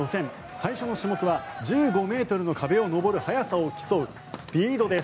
最初の種目は１５ｍの壁を上る速さを競うスピードです。